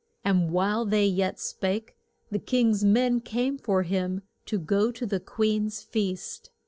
And while they yet spake the king's men came for him to go to the queen's feast.